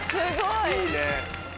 いいね。